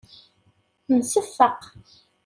Nseffeq.